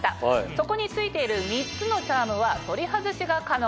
そこに付いている３つのチャームは取り外しが可能。